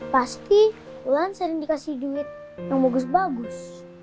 pasti wulan sering dikasih duit yang bagus bagus